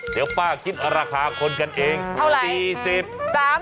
เดี๋ยวป้าคิดราคาคนกันเองเท่าไหร่